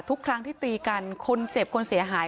ทุกครั้งที่ตีกันคนเจ็บคนเสียหาย